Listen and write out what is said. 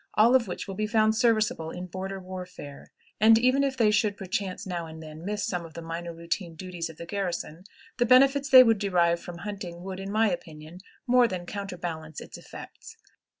all of which will be found serviceable in border warfare; and, even if they should perchance now and then miss some of the minor routine duties of the garrison, the benefits they would derive from hunting would, in my opinion, more than counterbalance its effects.